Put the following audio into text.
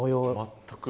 全く。